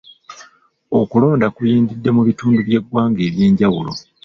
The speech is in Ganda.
Okulonda kuyindidde mu bitundu by'eggwanga ebyenjawulo.